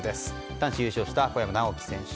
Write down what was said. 男子で優勝した小山直城選手